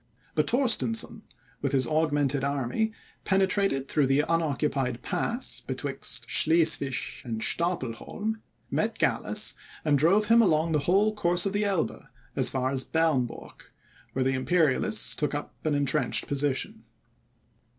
But Torstensohn, with his augmented army, penetrated through the unoccupied pass betwixt Schleswig and Stapelholm, met Gallas, and drove him along the whole course of the Elbe, as far as Bernburg, where the Imperialists took up an entrenched position.